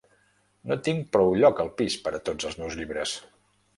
No tinc prou lloc al pis per a tots els meus llibres.